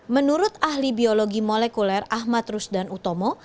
menurut ahli biologi molekuler ahmad rusdan utomo